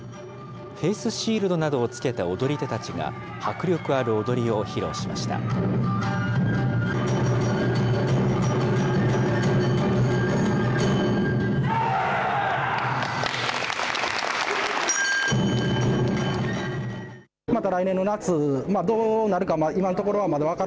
フェースシールドなどを着けた踊り手たちが、迫力ある踊りを披露しました。